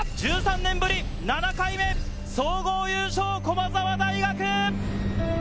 １３年ぶり７回目、総合優勝、駒澤大学！